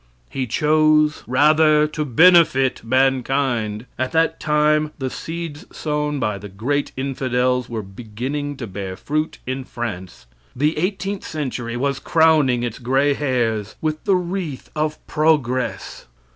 He choose rather to benefit mankind. At that time the seeds sown by the great infidels were beginning to bear fruit in France. The eighteenth century was crowning its gray hairs with the wreath of progress.